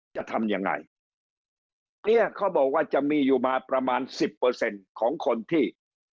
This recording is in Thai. จะทำยังไงเนี้ยเขาบอกว่าจะมีอยู่มาประมาณสิบเปอร์เซ็นต์ของคนที่